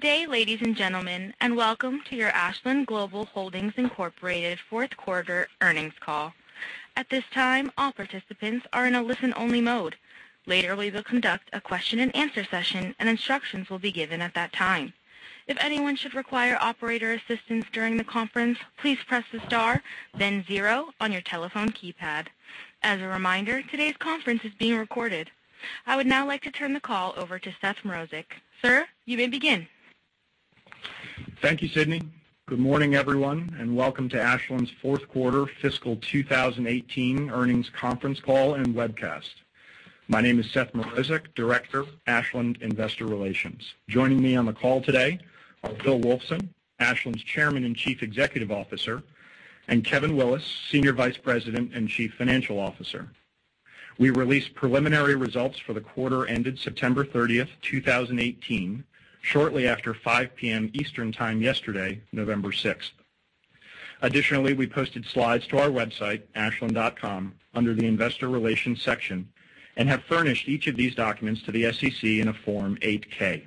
Good day, ladies and gentlemen, and welcome to your Ashland Global Holdings Inc Q4 Earnings Call. At this time, all participants are in a listen-only mode. Later, we will conduct a question and answer session, and instructions will be given at that time. If anyone should require operator assistance during the conference, please press the star then zero on your telephone keypad. As a reminder, today's conference is being recorded. I would now like to turn the call over to Seth Mrozek. Sir, you may begin. Thank you, Sydney. Good morning, everyone, and welcome to Ashland's Q4 fiscal 2018 Earnings Conference Call and Webcast. My name is Seth Mrozek, Director, Ashland Investor Relations. Joining me on the call today are William Wulfsohn, Ashland's Chairman and Chief Executive Officer, and Kevin Willis, Senior Vice President and Chief Financial Officer. We released preliminary results for the quarter ended September 30th, 2018, shortly after 5:00 P.M. Eastern Time yesterday, November 6th. Additionally, we posted slides to our website, ashland.com, under the investor relations section and have furnished each of these documents to the SEC in a Form 8-K.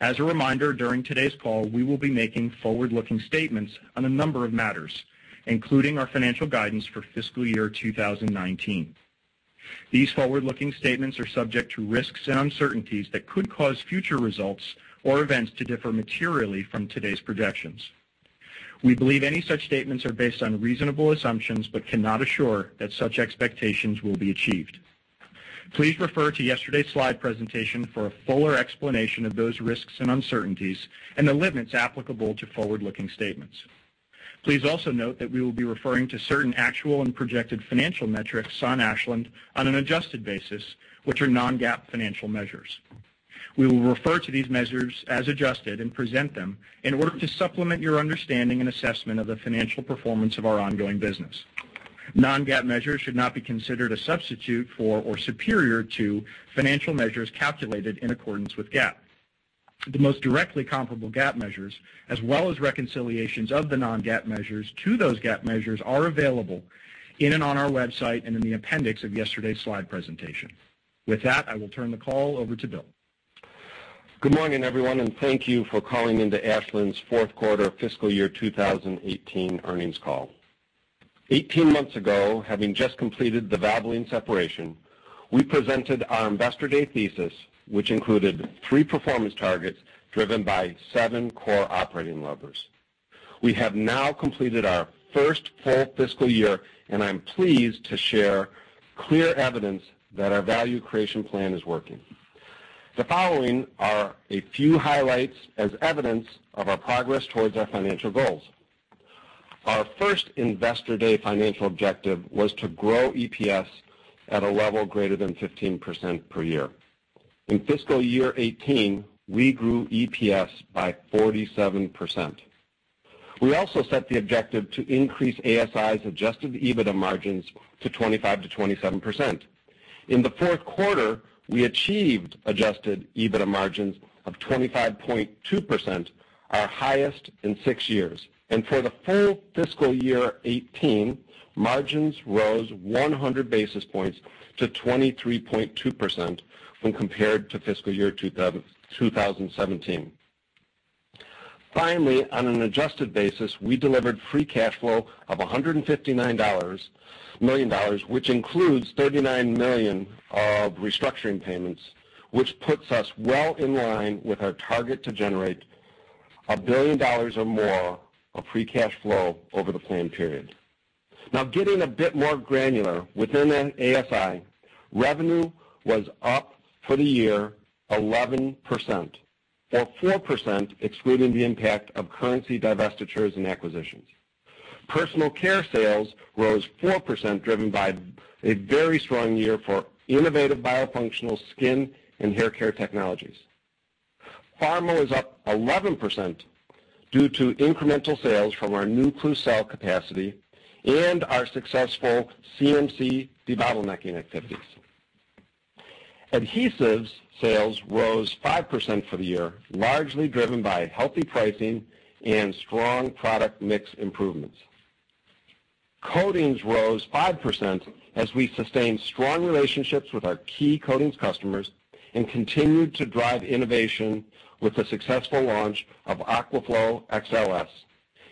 As a reminder, during today's call, we will be making forward-looking statements on a number of matters, including our financial guidance for fiscal year 2019. These forward-looking statements are subject to risks and uncertainties that could cause future results or events to differ materially from today's projections. We believe any such statements are based on reasonable assumptions but cannot assure that such expectations will be achieved. Please refer to yesterday's slide presentation for a fuller explanation of those risks and uncertainties and the limits applicable to forward-looking statements. Also note that we will be referring to certain actual and projected financial metrics on Ashland on an adjusted basis, which are non-GAAP financial measures. We will refer to these measures as adjusted and present them in order to supplement your understanding and assessment of the financial performance of our ongoing business. Non-GAAP measures should not be considered a substitute for or superior to financial measures calculated in accordance with GAAP. The most directly comparable GAAP measures, as well as reconciliations of the non-GAAP measures to those GAAP measures, are available in and on our website and in the appendix of yesterday's slide presentation. With that, I will turn the call over to William. Good morning, everyone, and thank you for calling into Ashland's Q4 fiscal year 2018 Earnings Call. 18 months ago, having just completed the Valvoline separation, we presented our Investor Day thesis, which included three performance targets driven by seven core operating levers. We have now completed our first full fiscal year. I'm pleased to share clear evidence that our value creation plan is working. The following are a few highlights as evidence of our progress towards our financial goals. Our first Investor Day financial objective was to grow EPS at a level greater than 15% per year. In fiscal year 2018, we grew EPS by 47%. We also set the objective to increase ASI's Adjusted EBITDA margins to 25%-27%. In Q4, we achieved Adjusted EBITDA margins of 25.2%, our highest in six years. For the full fiscal year 2018, margins rose 100 basis points to 23.2% when compared to fiscal year 2017. Finally, on an adjusted basis, we delivered free cash flow of $159 million, which includes $39 million of restructuring payments, which puts us well in line with our target to generate $1 billion or more of free cash flow over the plan period. Getting a bit more granular, within ASI, revenue was up for the year 11%, or 4% excluding the impact of currency divestitures and acquisitions. Personal care sales rose 4%, driven by a very strong year for innovative biofunctional skin and hair care technologies. Pharma was up 11% due to incremental sales from our new Klucel capacity and our successful CMC debottlenecking activities. Adhesives sales rose 5% for the year, largely driven by healthy pricing and strong product mix improvements. Coatings rose 5% as we sustained strong relationships with our key coatings customers and continued to drive innovation with the successful launch of Aquaflow XLS.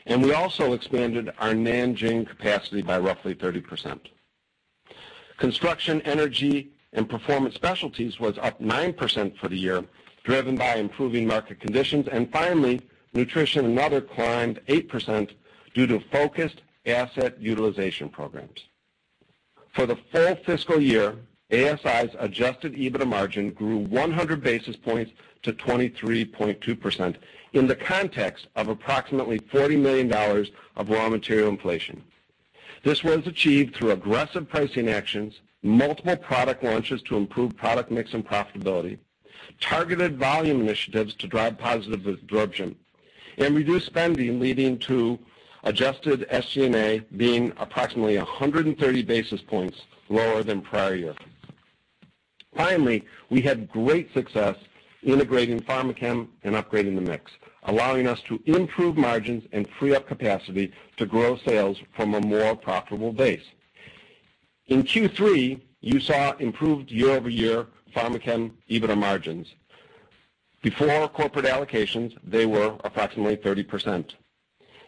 We also expanded our Nanjing capacity by roughly 30%. Construction, energy, and performance specialties was up 9% for the year, driven by improving market conditions. Finally, nutrition and other climbed 8% due to focused asset utilization programs. For the full fiscal year, ASI's Adjusted EBITDA margin grew 100 basis points to 23.2% in the context of approximately $40 million of raw material inflation. This was achieved through aggressive pricing actions, multiple product launches to improve product mix and profitability, targeted volume initiatives to drive positive absorption, reduced spending, leading to adjusted SG&A being approximately 130 basis points lower than prior year. Finally, we had great success integrating Pharmachem and upgrading the mix, allowing us to improve margins and free up capacity to grow sales from a more profitable base. In Q3, you saw improved year-over-year Pharmachem EBITDA margins. Before corporate allocations, they were approximately 30%.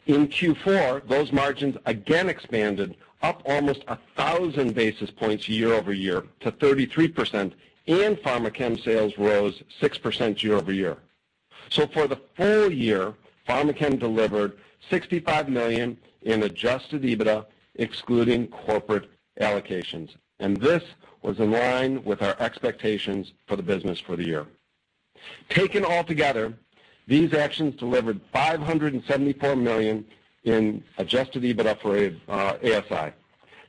In Q4, those margins again expanded up almost 1,000 basis points year-over-year to 33%. Pharmachem sales rose 6% year-over-year. For the full year, Pharmachem delivered $65 million in Adjusted EBITDA, excluding corporate allocations, this was in line with our expectations for the business for the year. Taken altogether, these actions delivered $574 million in Adjusted EBITDA for ASI.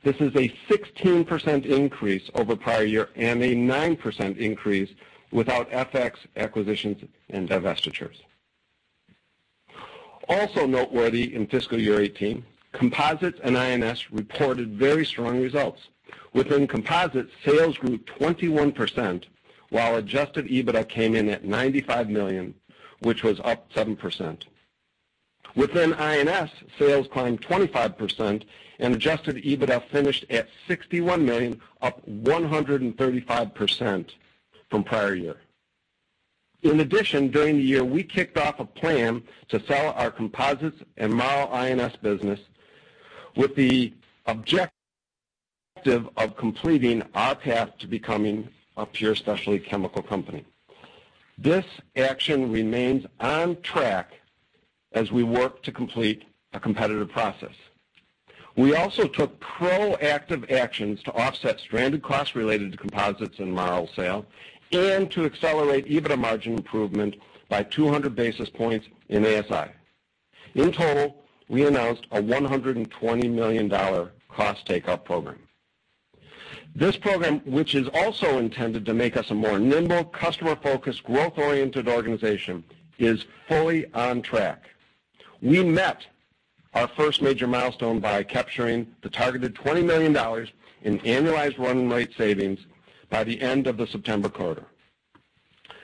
This is a 16% increase over prior year and a 9% increase without FX acquisitions and divestitures. Also noteworthy in fiscal year 2018, Composites and IS reported very strong results. Within Composites, sales grew 21%, while Adjusted EBITDA came in at $95 million, which was up 7%. Within I&S, sales climbed 25%, and Adjusted EBITDA finished at $61 million, up 135% from prior year. In addition, during the year, we kicked off a plan to sell our Composites and Marl I&S business with the objective of completing our path to becoming a pure specialty chemical company. This action remains on track as we work to complete a competitive process. We also took proactive actions to offset stranded costs related to Composites and Marl sale and to accelerate EBITDA margin improvement by 200 basis points in ASI. In total, we announced a $120 million cost takeout program. This program, which is also intended to make us a more nimble, customer-focused, growth-oriented organization, is fully on track. We met our first major milestone by capturing the targeted $20 million in annualized run rate savings by the end of the September quarter.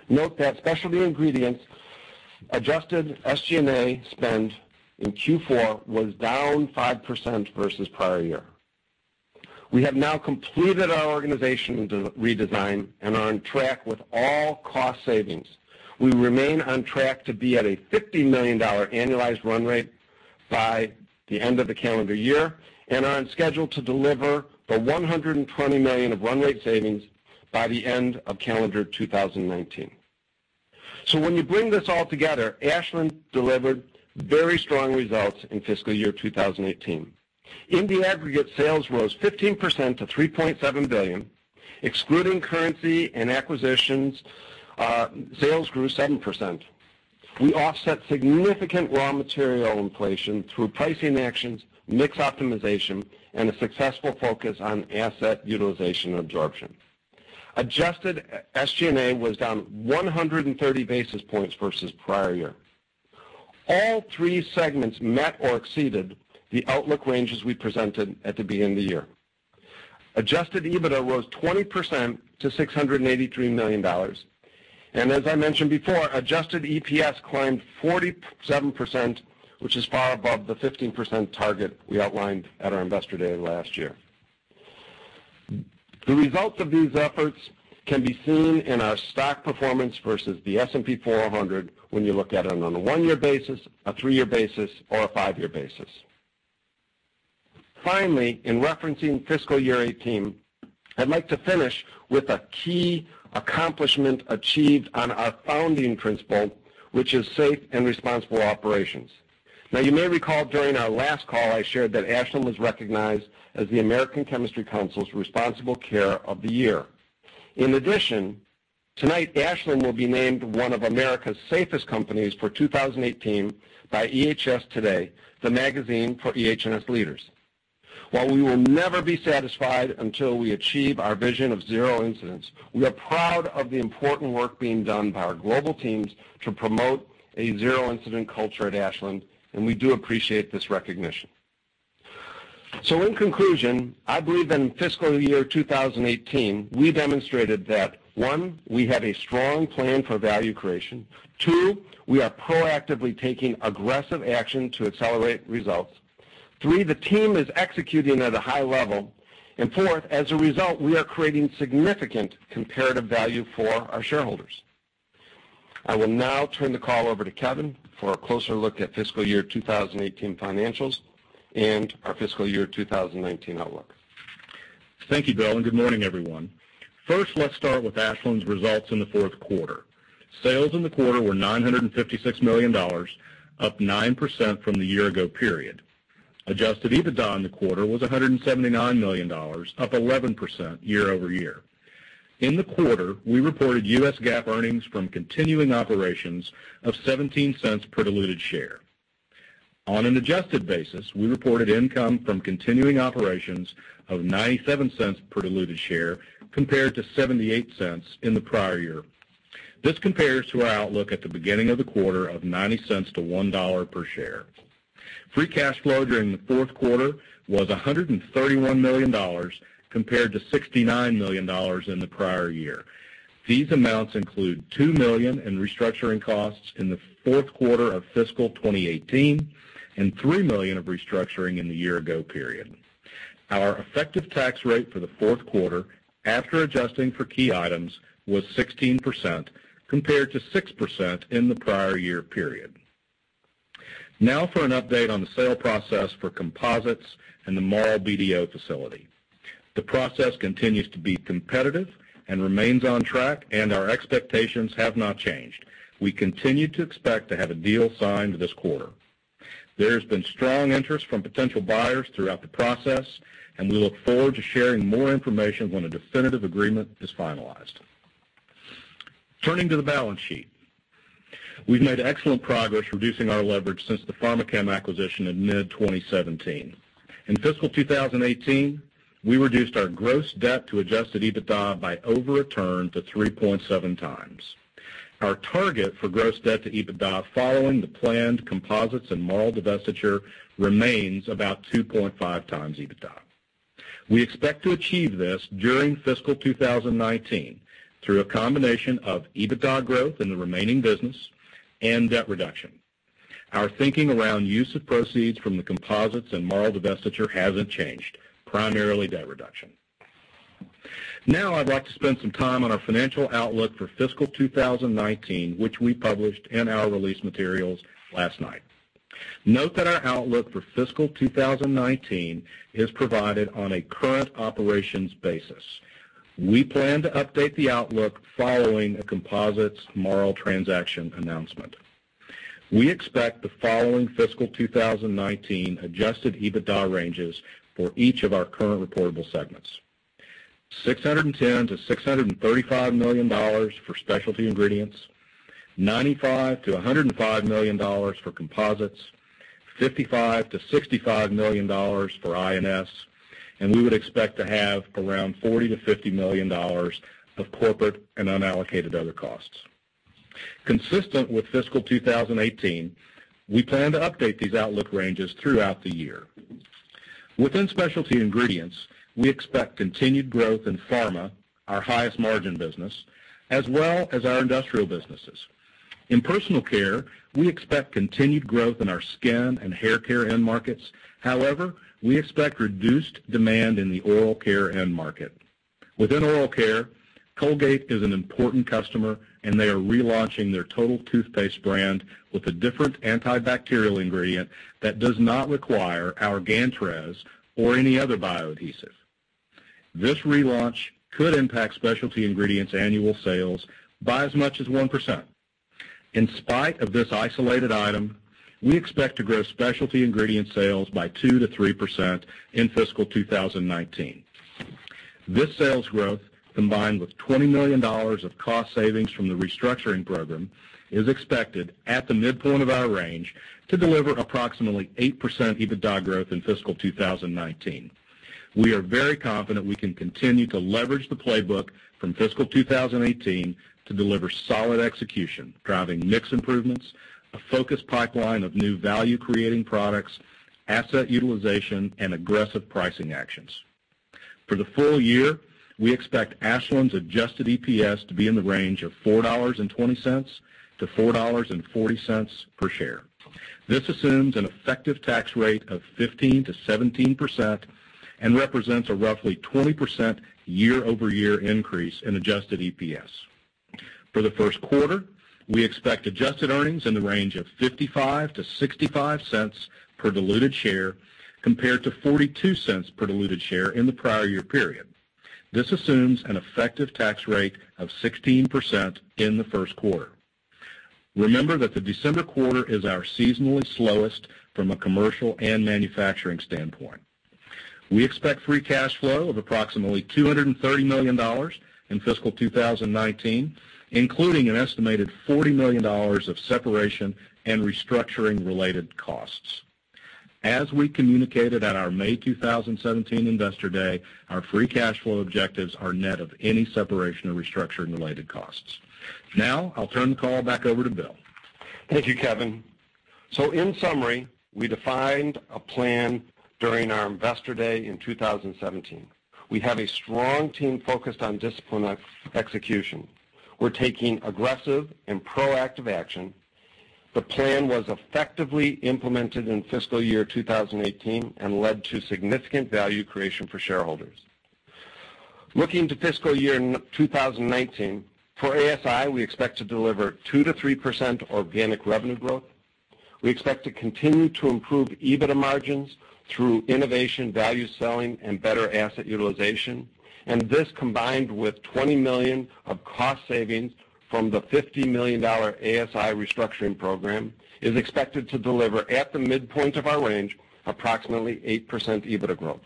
Note that Specialty Ingredients adjusted SG&A spend in Q4 was down 5% versus prior year. We have now completed our organization redesign and are on track with all cost savings. We remain on track to be at a $50 million annualized run rate by the end of the calendar year and are on schedule to deliver the $120 million of run rate savings by the end of calendar 2019. When you bring this all together, Ashland delivered very strong results in fiscal year 2018. In the aggregate, sales rose 15% to $3.7 billion. Excluding currency and acquisitions, sales grew 7%. We offset significant raw material inflation through pricing actions, mix optimization, and a successful focus on asset utilization absorption. Adjusted SG&A was down 130 basis points versus prior year. All three segments met or exceeded the outlook ranges we presented at the beginning of the year. Adjusted EBITDA rose 20% to $683 million. As I mentioned before, adjusted EPS climbed 47%, which is far above the 15% target we outlined at our investor day last year. The results of these efforts can be seen in our stock performance versus the S&P 400 when you look at it on a one-year basis, a three-year basis, or a five-year basis. Finally, in referencing fiscal year 2018, I'd like to finish with a key accomplishment achieved on our founding principle, which is safe and responsible operations. Now, you may recall during our last call, I shared that Ashland was recognized as the American Chemistry Council's Responsible Care of the Year. In addition, tonight Ashland will be named one of America's safest companies for 2018 by EHS Today, the magazine for EHS leaders. While we will never be satisfied until we achieve our vision of zero incidents, we are proud of the important work being done by our global teams to promote a zero-incident culture at Ashland, and we do appreciate this recognition. In conclusion, I believe in fiscal year 2018, we demonstrated that, one, we have a strong plan for value creation. Two, we are proactively taking aggressive action to accelerate results. Three, the team is executing at a high level. Fourth, as a result, we are creating significant comparative value for our shareholders. I will now turn the call over to Kevin for a closer look at fiscal year 2018 financials and our fiscal year 2019 outlook. Thank you, William, and good morning, everyone. First, let's start with Ashland's results in the Q4. Sales in the quarter were $956 million, up 9% from the year-ago period. Adjusted EBITDA in the quarter was $179 million, up 11% year-over-year. In the quarter, we reported U.S. GAAP earnings from continuing operations of $0.17 per diluted share. On an adjusted basis, we reported income from continuing operations of $0.97 per diluted share compared to $0.78 in the prior year. This compares to our outlook at the beginning of the quarter of $0.90 to $1 per share. Free cash flow during the Q4 was $131 million compared to $69 million in the prior year. These amounts include $2 million in restructuring costs in Q4 of fiscal 2018 and $3 million of restructuring in the year-ago period. Our effective tax rate for Q4, after adjusting for key items, was 16%, compared to 6% in the prior year period. Now for an update on the sale process for Composites and the Marl BDO facility. The process continues to be competitive and remains on track. Our expectations have not changed. We continue to expect to have a deal signed this quarter. There has been strong interest from potential buyers throughout the process, and we look forward to sharing more information when a definitive agreement is finalized. Turning to the balance sheet. We've made excellent progress reducing our leverage since the Pharmachem acquisition in mid 2017. In fiscal 2018, we reduced our gross debt to Adjusted EBITDA by over a turn to 3.7x. Our target for gross debt to EBITDA following the planned Composites and Marl divestiture remains about 2.5x EBITDA. We expect to achieve this during fiscal 2019 through a combination of EBITDA growth in the remaining business and debt reduction. Our thinking around use of proceeds from the Composites and Marl divestiture hasn't changed, primarily debt reduction. Now I'd like to spend some time on our financial outlook for fiscal 2019, which we published in our release materials last night. Note that our outlook for fiscal 2019 is provided on a current operations basis. We plan to update the outlook following a Composites Marl transaction announcement. We expect the following fiscal 2019 Adjusted EBITDA ranges for each of our current reportable segments. $610 million-$635 million for Specialty Ingredients, $95 million-$105 million for Composites, $55 million-$65 million for INS. We would expect to have around $40 million-$50 million of corporate and unallocated other costs. Consistent with fiscal 2018, we plan to update these outlook ranges throughout the year. Within Specialty Ingredients, we expect continued growth in pharma, our highest margin business, as well as our industrial businesses. In personal care, we expect continued growth in our skin and haircare end markets. However, we expect reduced demand in the oral care end market. Within oral care, Colgate is an important customer. They are relaunching their Total toothpaste brand with a different antibacterial ingredient that does not require our Gantrez or any other bioadhesive. This relaunch could impact Specialty Ingredients annual sales by as much as 1%. In spite of this isolated item, we expect to grow Specialty Ingredients sales by 2%-3% in fiscal 2019. This sales growth, combined with $20 million of cost savings from the restructuring program, is expected at the midpoint of our range to deliver approximately 8% EBITDA growth in fiscal 2019. We are very confident we can continue to leverage the playbook from fiscal 2018 to deliver solid execution, driving mix improvements, a focused pipeline of new value-creating products, asset utilization, and aggressive pricing actions. For the full year, we expect Ashland's adjusted EPS to be in the range of $4.20-$4.40 per share. This assumes an effective tax rate of 15%-17% and represents a roughly 20% year-over-year increase in adjusted EPS. For Q1, we expect adjusted earnings in the range of $0.55-$0.65 per diluted share, compared to $0.42 per diluted share in the prior year period. This assumes an effective tax rate of 16% in Q1. Remember that the December quarter is our seasonally slowest from a commercial and manufacturing standpoint. We expect free cash flow of approximately $230 million in fiscal 2019, including an estimated $40 million of separation and restructuring related costs. As we communicated at our May 2017 Investor Day, our free cash flow objectives are net of any separation or restructuring-related costs. I'll turn the call back over to William. Thank you, Kevin. In summary, we defined a plan during our Investor Day in 2017. We have a strong team focused on disciplined execution. We're taking aggressive and proactive action. The plan was effectively implemented in fiscal year 2018 and led to significant value creation for shareholders. Looking to fiscal year 2019, for ASI, we expect to deliver 2%-3% organic revenue growth. We expect to continue to improve EBITDA margins through innovation, value selling, and better asset utilization. This, combined with $20 million of cost savings from the $50 million ASI restructuring program, is expected to deliver, at the midpoint of our range, approximately 8% EBITDA growth.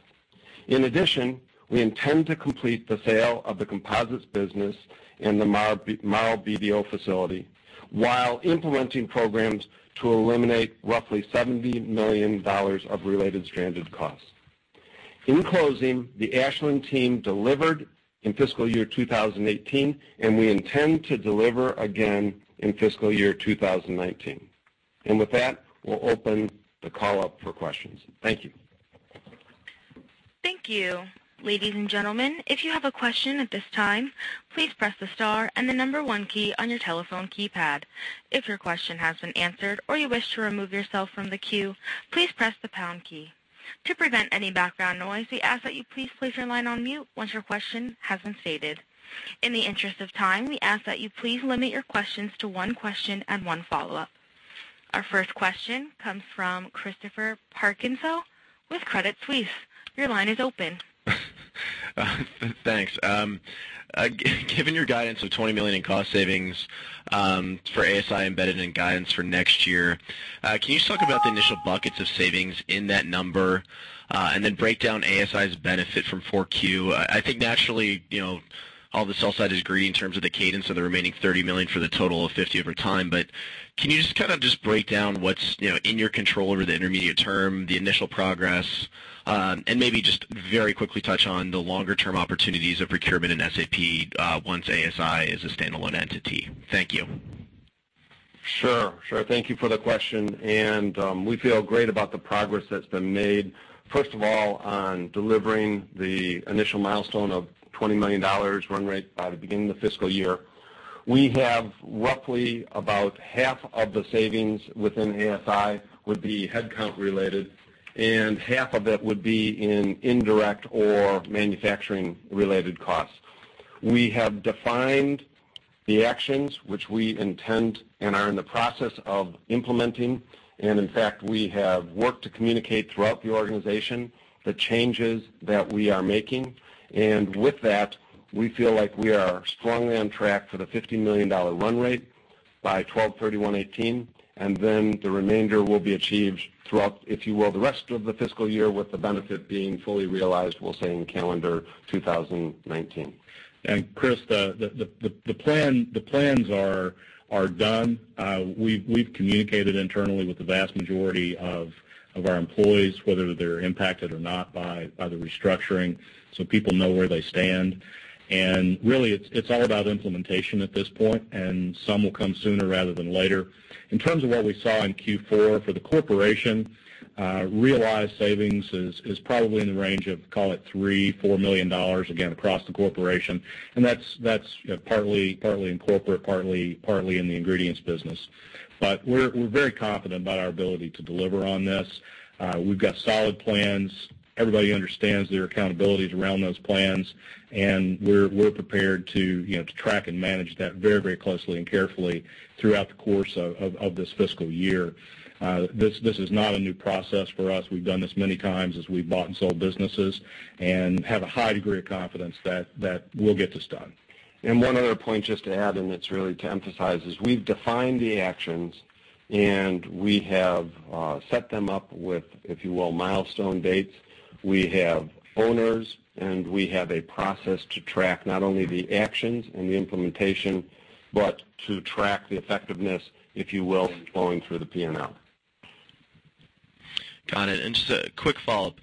In addition, we intend to complete the sale of the Composites business and the Marl BDO facility while implementing programs to eliminate roughly $70 million of related stranded costs. In closing, the Ashland team delivered in fiscal year 2018, and we intend to deliver again in fiscal year 2019. With that, we'll open the call up for questions. Thank you. Thank you. Ladies and gentlemen, if you have a question at this time, please press the star and the number one key on your telephone keypad. If your question has been answered or you wish to remove yourself from the queue, please press the pound key. To prevent any background noise, we ask that you please place your line on mute once your question has been stated. In the interest of time, we ask that you please limit your questions to one question and one follow-up. Our first question comes from Christopher Parkinson with Credit Suisse. Your line is open. Thanks. Given your guidance of $20 million in cost savings for ASI embedded in guidance for next year, can you just talk about the initial buckets of savings in that number? Then break down ASI's benefit from Q4. I think naturally, all the sell side is green in terms of the cadence of the remaining $30 million for the total of 50 over time. Can you just break down what's in your control over the intermediate term, the initial progress? Maybe just very quickly touch on the longer-term opportunities of procurement and SAP, once ASI is a standalone entity. Thank you. Sure. Thank you for the question. We feel great about the progress that's been made, first of all, on delivering the initial milestone of $20 million run rate by the beginning of the fiscal year. We have roughly about half of the savings within ASI would be headcount related, and half of it would be in indirect or manufacturing related costs. We have defined the actions which we intend and are in the process of implementing, and in fact, we have worked to communicate throughout the organization the changes that we are making. With that, we feel like we are strongly on track for the $50 million run rate by 12/31/2018. The remainder will be achieved throughout, if you will, the rest of the fiscal year with the benefit being fully realized, we'll say, in calendar 2019. Chris, the plans are done. We've communicated internally with the vast majority of our employees, whether they're impacted or not by the restructuring, so people know where they stand. Really it's all about implementation at this point, and some will come sooner rather than later. In terms of what we saw in Q4 for the corporation, realized savings is probably in the range of, call it $3 million-$4 million, again, across the corporation. That's partly in corporate, partly in the ingredients business. We're very confident about our ability to deliver on this. We've got solid plans. Everybody understands their accountabilities around those plans, and we're prepared to track and manage that very closely and carefully throughout the course of this fiscal year. This is not a new process for us. We've done this many times as we've bought and sold businesses and have a high degree of confidence that we'll get this done. One other point just to add, and it's really to emphasize, is we've defined the actions, and we have set them up with, if you will, milestone dates. We have owners, and we have a process to track not only the actions and the implementation, but to track the effectiveness, if you will, flowing through the P&L. Got it. Just a quick follow-up.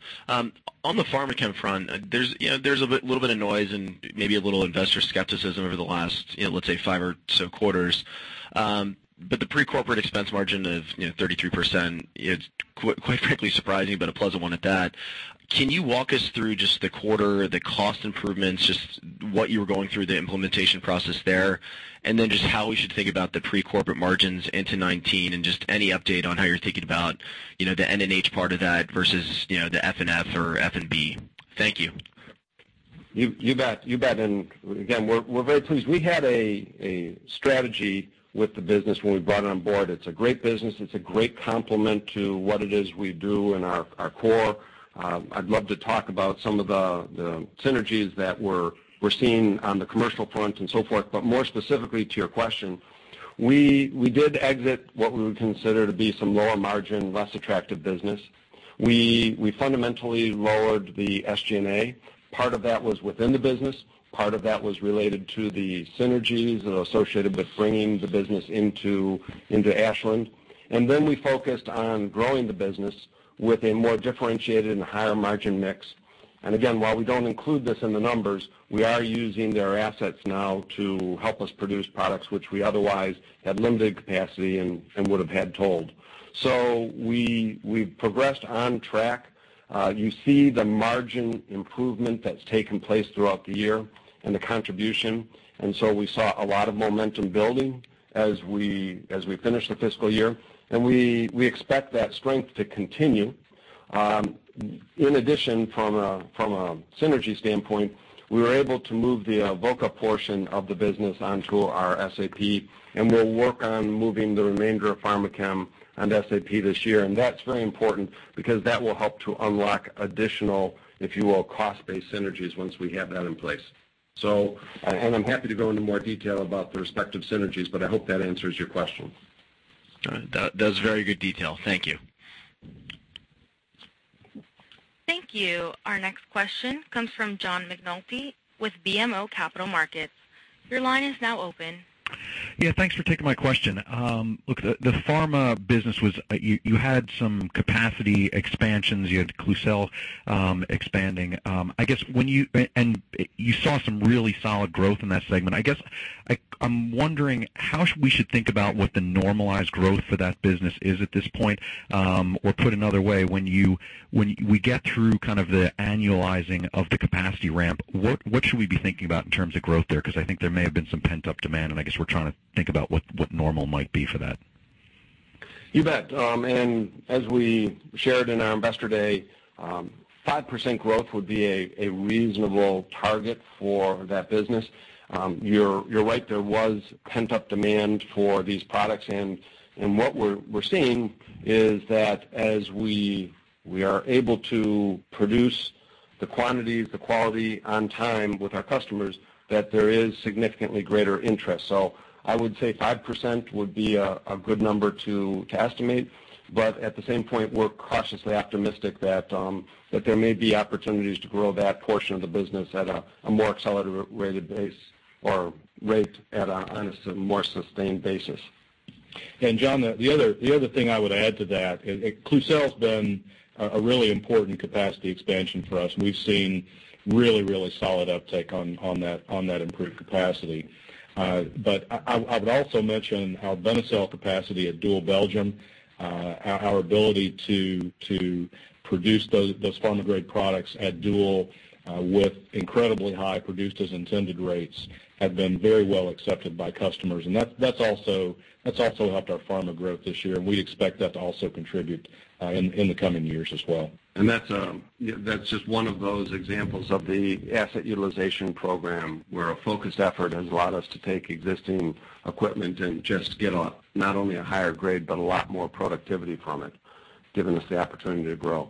On the Pharmachem front, there's a little bit of noise and maybe a little investor skepticism over the last, let's say, five or so quarters. The pre-corporate expense margin of 33%, it's quite frankly surprising, but a pleasant one at that. Can you walk us through just the quarter, the cost improvements, just what you were going through the implementation process there, and then just how we should think about the pre-corporate margins into 2019 and just any update on how you're thinking about the N&H part of that versus the F&F or F&B. Thank you. You bet. Again, we're very pleased. We had a strategy with the business when we brought it on board. It's a great business. It's a great complement to what it is we do in our core. I'd love to talk about some of the synergies that we're seeing on the commercial front and so forth. More specifically to your question, we did exit what we would consider to be some lower margin, less attractive business. We fundamentally lowered the SG&A. Part of that was within the business. Part of that was related to the synergies that are associated with bringing the business into Ashland. Then we focused on growing the business with a more differentiated and higher margin mix. Again, while we don't include this in the numbers, we are using their assets now to help us produce products which we otherwise had limited capacity and would have had told. We've progressed on track. You see the margin improvement that's taken place throughout the year and the contribution, and so we saw a lot of momentum building as we finished the fiscal year, and we expect that strength to continue. In addition, from a synergy standpoint, we were able to move the Avoca portion of the business onto our SAP, and we'll work on moving the remainder of Pharmachem on SAP this year. That's very important because that will help to unlock additional, if you will, cost-based synergies once we have that in place. I'm happy to go into more detail about the respective synergies, but I hope that answers your question. All right. That was very good detail. Thank you. Thank you. Our next question comes from John McNulty with BMO Capital Markets. Your line is now open Yeah. Thanks for taking my question. Look, the pharma business, you had some capacity expansions. You had Klucel expanding. You saw some really solid growth in that segment. I'm wondering how we should think about what the normalized growth for that business is at this point. Put another way, when we get through kind of the annualizing of the capacity ramp, what should we be thinking about in terms of growth there? I think there may have been some pent-up demand, and I guess we're trying to think about what normal might be for that. You bet. As we shared in our Investor Day, 5% growth would be a reasonable target for that business. You're right, there was pent-up demand for these products. What we're seeing is that as we are able to produce the quantities, the quality on time with our customers, that there is significantly greater interest. I would say 5% would be a good number to estimate. At the same point, we're cautiously optimistic that there may be opportunities to grow that portion of the business at a more accelerated base or rate at a more sustained basis. John, the other thing I would add to that, Klucel's been a really important capacity expansion for us. We've seen really solid uptake on that improved capacity. I would also mention our Benecel capacity at Doel, Belgium, our ability to produce those pharma-grade products at Doel with incredibly high produced as intended rates have been very well accepted by customers. That's also helped our pharma growth this year, and we expect that to also contribute in the coming years as well. That's just one of those examples of the asset utilization program where a focused effort has allowed us to take existing equipment and just get not only a higher grade, but a lot more productivity from it, giving us the opportunity to grow.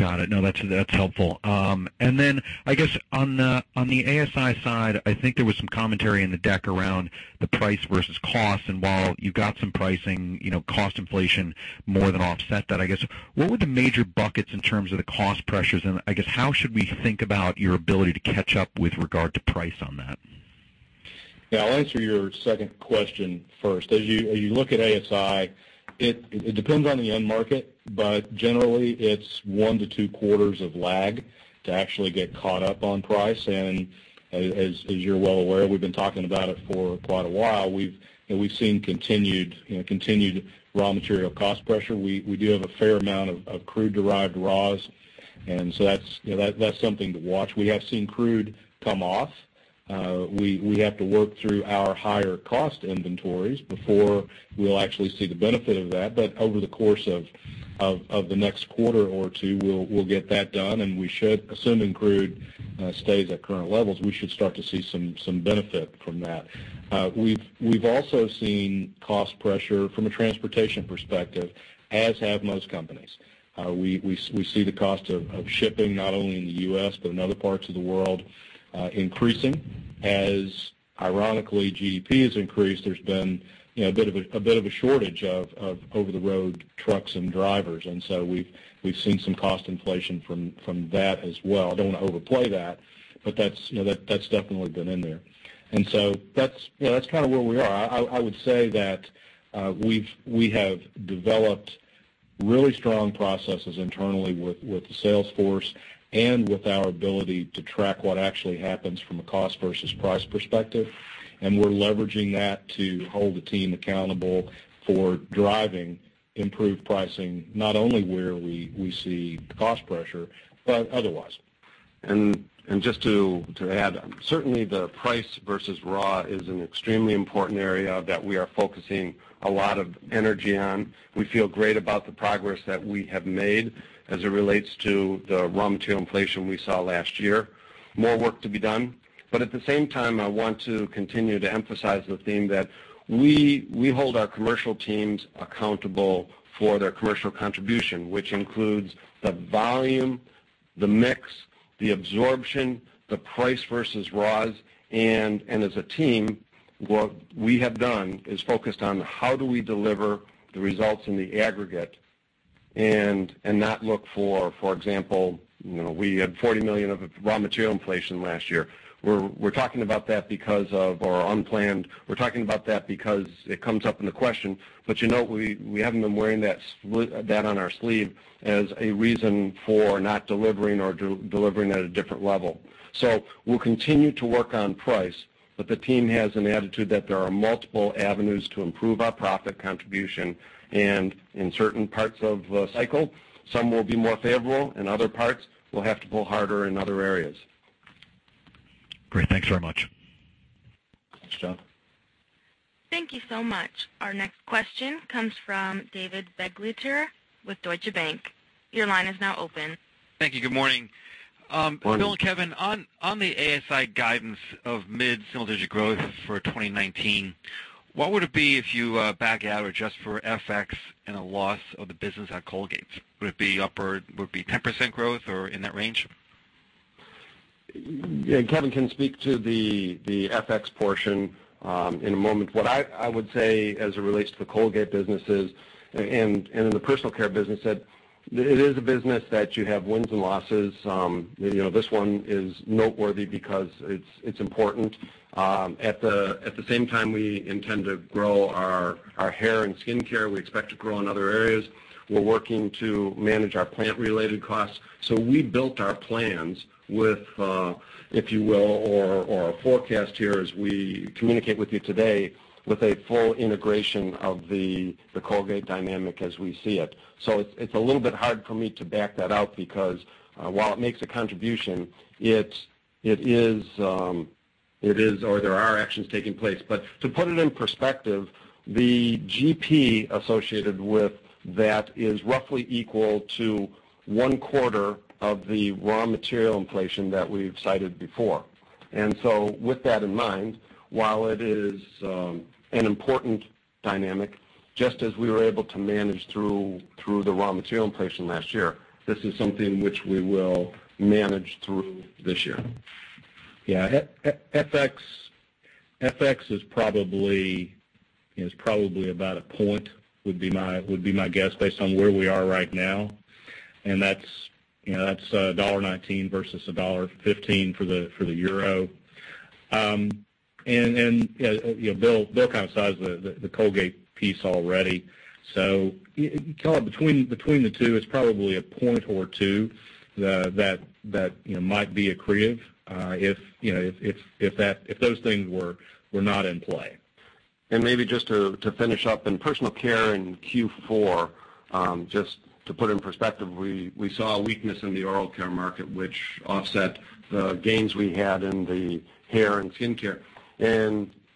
Got it. No, that's helpful. Then I guess on the ASI side, I think there was some commentary in the deck around the price versus cost. While you got some pricing, cost inflation more than offset that, I guess, what were the major buckets in terms of the cost pressures, and I guess how should we think about your ability to catch up with regard to price on that? Yeah, I'll answer your second question first. As you look at ASI, it depends on the end market, but generally it's one to two quarters of lag to actually get caught up on price. As you're well aware, we've been talking about it for quite a while. We've seen continued raw material cost pressure. We do have a fair amount of crude-derived raws, that's something to watch. We have seen crude come off. We have to work through our higher cost inventories before we'll actually see the benefit of that. Over the course of the next quarter or two, we'll get that done, and assuming crude stays at current levels, we should start to see some benefit from that. We've also seen cost pressure from a transportation perspective, as have most companies. We see the cost of shipping, not only in the U.S. but in other parts of the world increasing. As ironically, GDP has increased, there's been a bit of a shortage of over-the-road trucks and drivers, we've seen some cost inflation from that as well. I don't want to overplay that, but that's definitely been in there. That's kind of where we are. I would say that we have developed really strong processes internally with the sales force and with our ability to track what actually happens from a cost versus price perspective. We're leveraging that to hold the team accountable for driving improved pricing, not only where we see cost pressure, but otherwise. Just to add, certainly the price versus raw is an extremely important area that we are focusing a lot of energy on. We feel great about the progress that we have made as it relates to the raw material inflation we saw last year. More work to be done. At the same time, I want to continue to emphasize the theme that we hold our commercial teams accountable for their commercial contribution, which includes the volume, the mix, the absorption, the price versus raws. As a team, what we have done is focused on how do we deliver the results in the aggregate and not look for example, we had $40 million of raw material inflation last year. We're talking about that because it comes up in the question, but we haven't been wearing that on our sleeve as a reason for not delivering or delivering at a different level. We'll continue to work on price, but the team has an attitude that there are multiple avenues to improve our profit contribution, and in certain parts of the cycle, some will be more favorable, and other parts will have to pull harder in other areas. Great. Thanks very much. Thanks, John. Thank you so much. Our next question comes from David Begleiter with Deutsche Bank. Your line is now open. Thank you. Good morning. Morning. William and Kevin, on the ASI guidance of mid-single digit growth for 2019, what would it be if you back out or adjust for FX and a loss of the business at Colgate? Would it be upward, would it be 10% growth or in that range? Yeah. Kevin can speak to the FX portion in a moment. What I would say as it relates to the Colgate businesses and in the personal care business, that it is a business that you have wins and losses. This one is noteworthy because it's important. At the same time, we intend to grow our hair and skincare. We expect to grow in other areas. We're working to manage our plant-related costs. We built our plans with, if you will, or our forecast here as we communicate with you today, with a full integration of the Colgate dynamic as we see it. It's a little bit hard for me to back that out, because while it makes a contribution, there are actions taking place. To put it in perspective, the GP associated with that is roughly equal to one quarter of the raw material inflation that we've cited before. With that in mind, while it is an important dynamic, just as we were able to manage through the raw material inflation last year, this is something which we will manage through this year. Yeah. FX is probably about a point, would be my guess, based on where we are right now. That's $1.19 versus $1.15 for the euro. William kind of sized the Colgate piece already. Call it between the two, it's probably a point or two that might be accretive, if those things were not in play. Just to finish up, in personal care in Q4, just to put it in perspective, we saw a weakness in the oral care market, which offset the gains we had in the hair and skincare.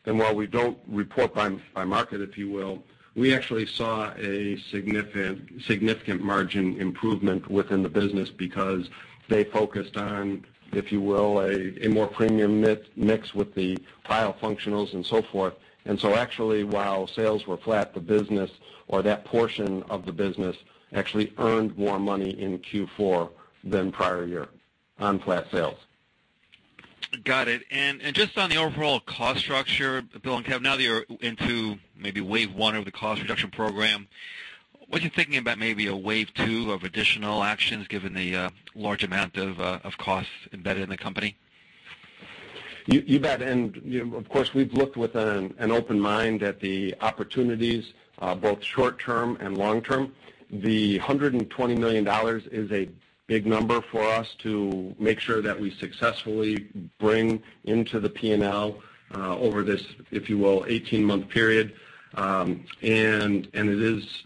While we don't report by market, if you will, we actually saw a significant margin improvement within the business because they focused on, if you will, a more premium mix with the biofunctionals and so forth. Actually, while sales were flat, the business, or that portion of the business, actually earned more money in Q4 than prior year on flat sales. Got it. Just on the overall cost structure, William and Kevin, now that you're into maybe wave 1 of the cost reduction program, what are you thinking about maybe a wave 2 of additional actions given the large amount of costs embedded in the company? You bet. Of course, we've looked with an open mind at the opportunities, both short-term and long-term. The $120 million is a big number for us to make sure that we successfully bring into the P&L, over this, if you will, 18-month period. It is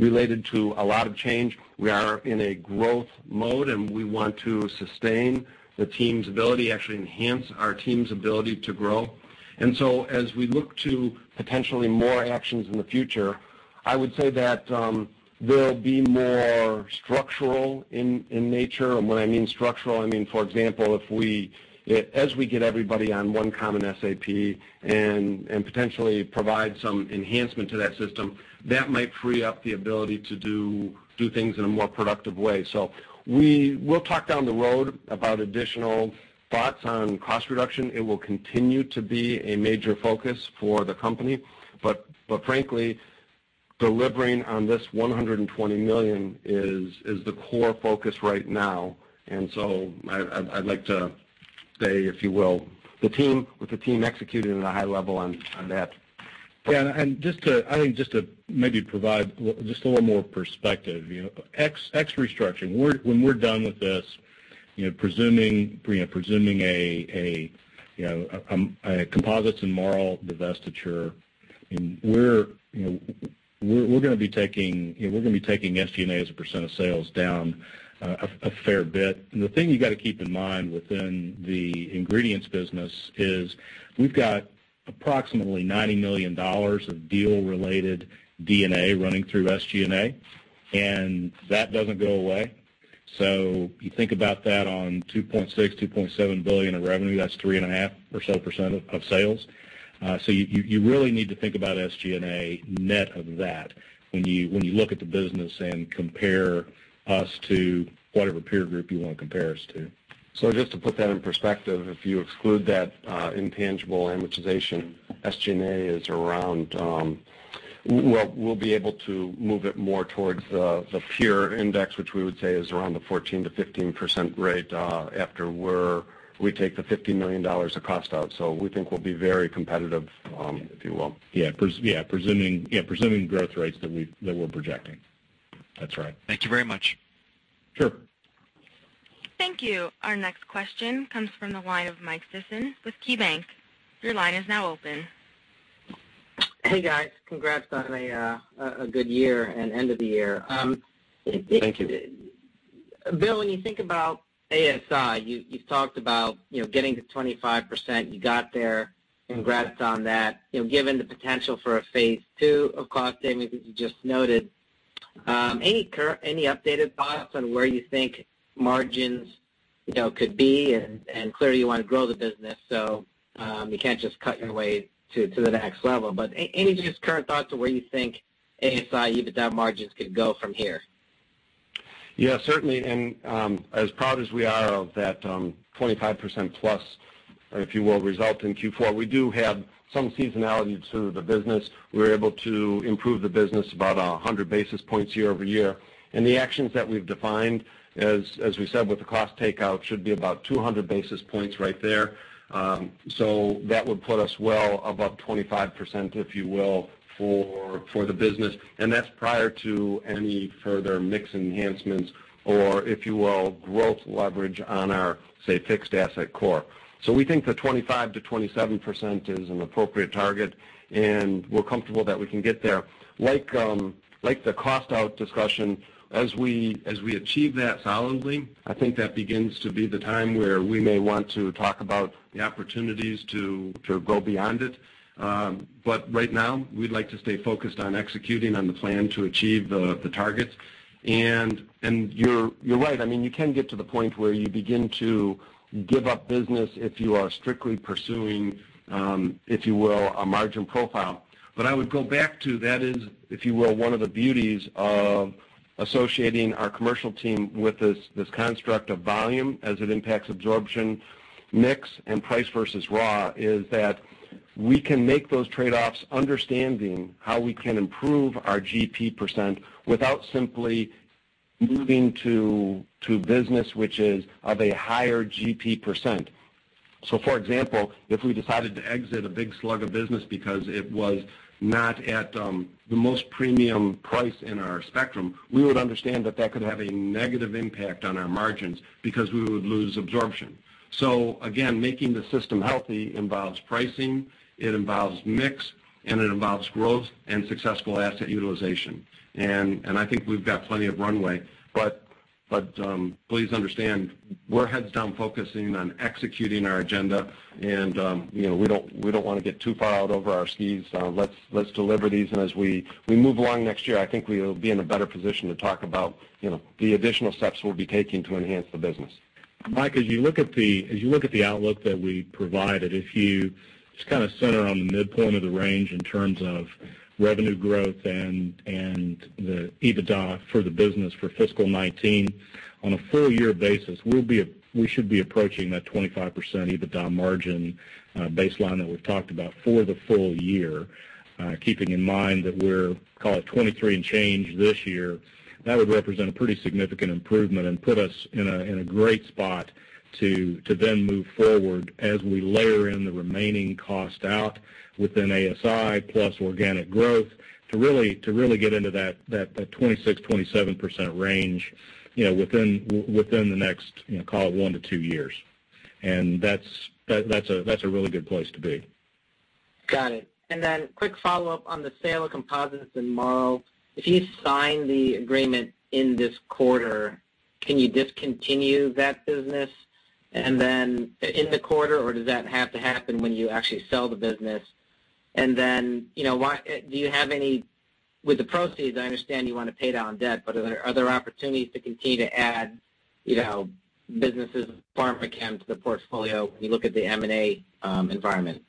related to a lot of change. We are in a growth mode, and we want to sustain the team's ability, actually enhance our team's ability to grow. As we look to potentially more actions in the future, I would say that they'll be more structural in nature. When I mean structural, I mean, for example, as we get everybody on one common SAP and potentially provide some enhancement to that system, that might free up the ability to do things in a more productive way. We'll talk down the road about additional thoughts on cost reduction. It will continue to be a major focus for the company. Frankly, delivering on this $120 million is the core focus right now. I'd like to say, if you will, with the team executing at a high level on that. I think just to maybe provide just a little more perspective. Ex restructuring, when we're done with this, presuming a Composites and Marl divestiture, we're going to be taking SG&A as a percent of sales down a fair bit. The thing you got to keep in mind within the ingredients business is we've got approximately $90 million of deal-related D&A running through SG&A, and that doesn't go away. You think about that on $2.6 billion-$2.7 billion of revenue, that's 3.5% or so of sales. You really need to think about SG&A net of that when you look at the business and compare us to whatever peer group you want to compare us to. Just to put that in perspective, if you exclude that intangible amortization, SG&A is around. Well, we'll be able to move it more towards the peer index, which we would say is around the 14%-15% rate, after we take the $50 million of cost out. We think we'll be very competitive, if you will. Yeah. Presuming growth rates that we're projecting. That's right. Thank you very much. Sure. Thank you. Our next question comes from the line of Michael Sison with KeyBanc. Your line is now open. Hey, guys. Congrats on a good year and end of the year. Thank you. William, when you think about ASI, you've talked about getting to 25%. You got there. Congrats on that. Given the potential for a phase 2 of cost savings, as you just noted, any updated thoughts on where you think margins could be? Clearly, you want to grow the business, so you can't just cut your way to the next level. Any just current thoughts of where you think ASI EBITDA margins could go from here? Yeah, certainly. As proud as we are of that 25%+, if you will, result in Q4, we do have some seasonality to the business. We're able to improve the business about 100 basis points year-over-year. The actions that we've defined, as we said with the cost takeout, should be about 200 basis points right there. That would put us well above 25%, if you will, for the business. That's prior to any further mix enhancements or, if you will, growth leverage on our, say, fixed asset core. We think the 25%-27% is an appropriate target, and we're comfortable that we can get there. Like the cost-out discussion, as we achieve that solidly, I think that begins to be the time where we may want to talk about the opportunities to go beyond it. Right now, we'd like to stay focused on executing on the plan to achieve the targets. You're right. You can get to the point where you begin to give up business if you are strictly pursuing, if you will, a margin profile. I would go back to that is, if you will, one of the beauties of associating our commercial team with this construct of volume as it impacts absorption, mix, and price versus raw, is that we can make those trade-offs understanding how we can improve our GP percent without simply moving to business which is of a higher GP percent. For example, if we decided to exit a big slug of business because it was not at the most premium price in our spectrum, we would understand that that could have a negative impact on our margins because we would lose absorption. Again, making the system healthy involves pricing, it involves mix, and it involves growth and successful asset utilization. I think we've got plenty of runway. Please understand, we're heads down focusing on executing our agenda, and we don't want to get too far out over our skis. Let's deliver these, and as we move along next year, I think we'll be in a better position to talk about the additional steps we'll be taking to enhance the business. Michael, as you look at the outlook that we provided, if you just kind of center on the midpoint of the range in terms of revenue growth and the EBITDA for the business for fiscal 2019 on a full-year basis, we should be approaching that 25% EBITDA margin baseline that we've talked about for the full year. Keeping in mind that we're call it 23% and change this year. That would represent a pretty significant improvement and put us in a great spot to then move forward as we layer in the remaining cost out within ASI, plus organic growth to really get into that 26%-27% range within the next, call it one to two years. That's a really good place to be. Got it. Quick follow-up on the sale of Composites and Marl. If you sign the agreement in this quarter, can you discontinue that business? In the quarter, or does that have to happen when you actually sell the business? With the proceeds, I understand you want to pay down debt, but are there other opportunities to continue to add businesses, Pharmachem to the portfolio when you look at the M&A environment?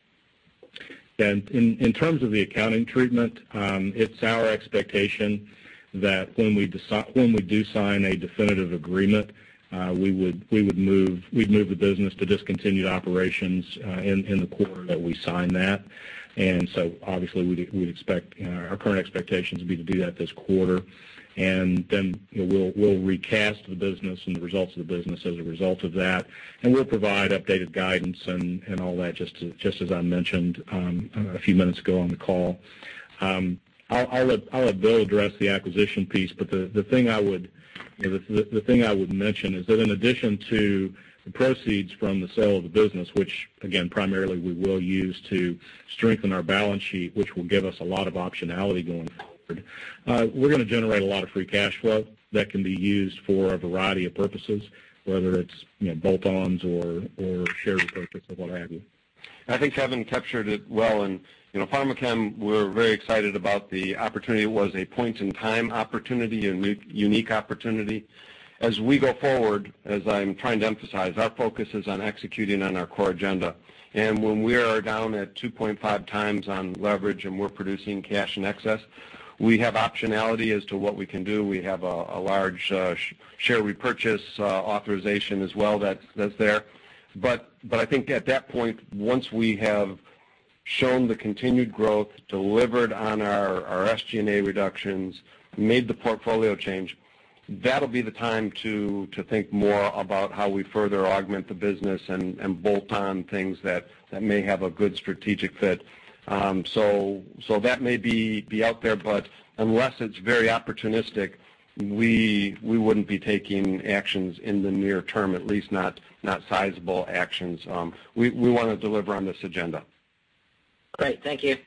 In terms of the accounting treatment, it's our expectation that when we do sign a definitive agreement, we'd move the business to discontinued operations in the quarter that we sign that. Obviously our current expectations would be to do that this quarter. We'll recast the business and the results of the business as a result of that, and we'll provide updated guidance and all that, just as I mentioned a few minutes ago on the call. I'll let William address the acquisition piece, but the thing I would mention is that in addition to the proceeds from the sale of the business, which again, primarily we will use to strengthen our balance sheet, which will give us a lot of optionality going forward. We're going to generate a lot of free cash flow that can be used for a variety of purposes, whether it's bolt-ons or share repurchase or what have you. I think Kevin captured it well. Pharmachem, we're very excited about the opportunity. It was a point-in-time opportunity, a unique opportunity. As we go forward, as I'm trying to emphasize, our focus is on executing on our core agenda. When we are down at 2.5x on leverage and we're producing cash in excess, we have optionality as to what we can do. We have a large share repurchase authorization as well that's there. I think at that point, once we have shown the continued growth, delivered on the SG&A reductions, made the portfolio change, that'll be the time to think more about how we further augment the business and bolt on things that may have a good strategic fit. That may be out there, but unless it's very opportunistic, we wouldn't be taking actions in the near term, at least not sizable actions. We want to deliver on this agenda. Great. Thank you.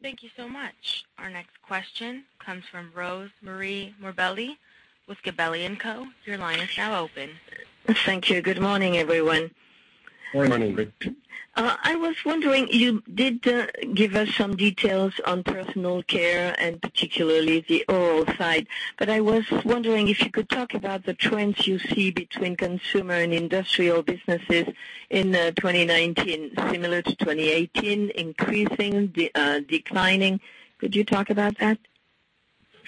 Thank you so much. Our next question comes from Rosemarie Morbelli with Gabelli & Co. Your line is now open. Thank you. Good morning, everyone. Good morning, Rosemarie. I was wondering, you did give us some details on personal care and particularly the oral side, but I was wondering if you could talk about the trends you see between consumer and industrial businesses in 2019 similar to 2018, increasing, declining. Could you talk about that?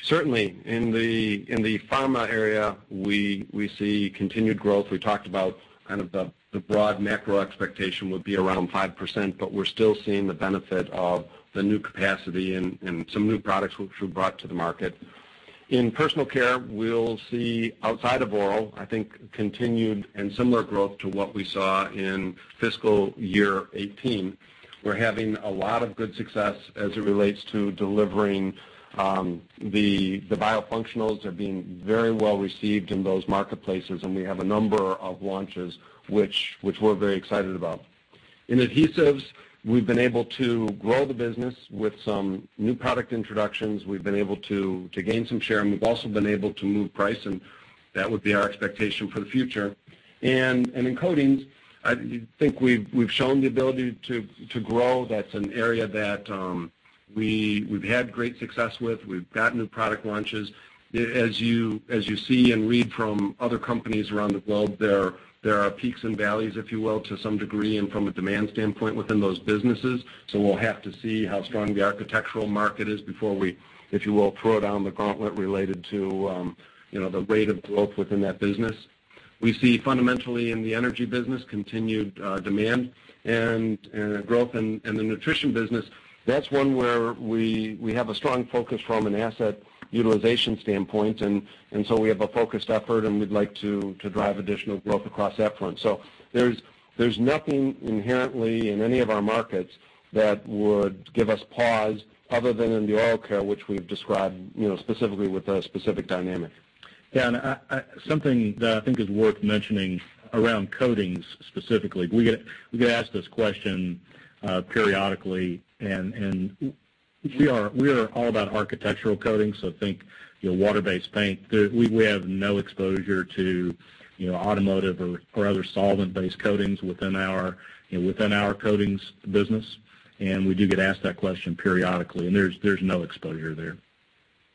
Certainly. In the pharma area, we see continued growth. We talked about the broad macro expectation would be around 5%, but we're still seeing the benefit of the new capacity and some new products which were brought to the market. In personal care, we'll see, outside of oral, I think continued and similar growth to what we saw in fiscal year 2018. We're having a lot of good success as it relates to delivering the biofunctionals. They're being very well-received in those marketplaces, and we have a number of launches which we're very excited about. In adhesives, we've been able to grow the business with some new product introductions. We've been able to gain some share, and we've also been able to move pricing. That would be our expectation for the future. In coatings, I think we've shown the ability to grow. That's an area that we've had great success with. We've got new product launches. As you see and read from other companies around the globe, there are peaks and valleys, if you will, to some degree and from a demand standpoint within those businesses. We'll have to see how strong the architectural market is before we, if you will, throw down the gauntlet related to the rate of growth within that business. We see fundamentally in the energy business, continued demand and growth. The nutrition business, that's one where we have a strong focus from an asset utilization standpoint. We have a focused effort, and we'd like to drive additional growth across that front. There's nothing inherently in any of our markets that would give us pause other than in the oral care, which we've described specifically with a specific dynamic. Yeah. Something that I think is worth mentioning around coatings specifically. We get asked this question periodically, and we are all about architectural coatings, so think water-based paint. We have no exposure to automotive or other solvent-based coatings within our coatings business, and we do get asked that question periodically, and there's no exposure there.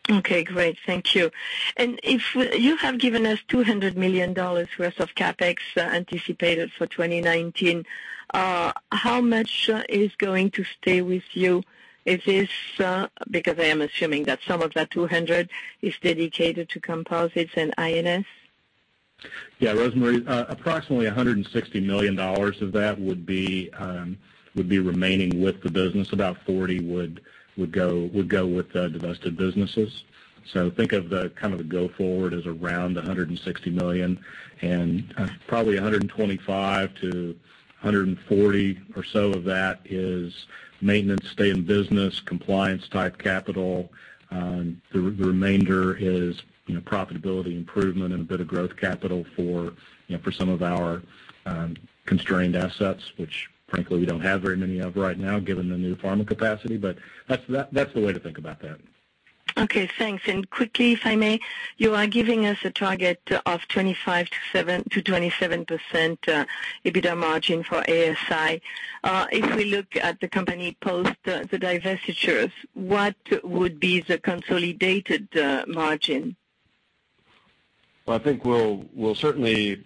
Okay, great. Thank you. You have given us $200 million worth of CapEx anticipated for 2019. How much is going to stay with you? Because I am assuming that some of that 200 is dedicated to Composites and INS. Yeah, Rosemarie, approximately $160 million of that would be remaining with the business. About $40 million would go with the divested businesses. Think of the go forward as around $160 million, and probably $125 million-$140 million or so of that is maintenance, stay in business, compliance type capital. The remainder is profitability improvement and a bit of growth capital for some of our constrained assets, which frankly, we don't have very many of right now, given the new pharma capacity. That's the way to think about that. Okay, thanks. Quickly, if I may, you are giving us a target of 25%-27% EBITDA margin for ASI. If we look at the company post the divestitures, what would be the consolidated margin? Well, I think we'll certainly,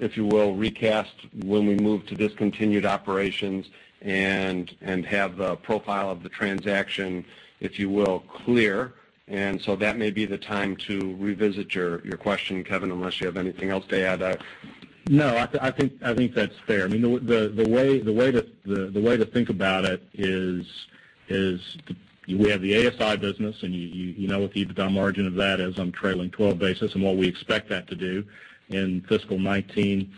if you will, recast when we move to discontinued operations and have the profile of the transaction, if you will, clear. That may be the time to revisit your question, Kevin, unless you have anything else to add. No, I think that's fair. The way to think about it is we have the ASI business, and you know what the EBITDA margin of that is on trailing 12 basis and what we expect that to do in fiscal 2019.